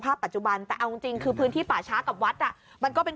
ทางผู้ชมพอเห็นแบบนี้นะทางผู้ชมพอเห็นแบบนี้นะ